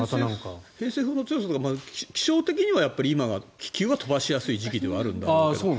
偏西風の強さとか気象的に今は気球は飛ばしやすい時期ではあるんだけど。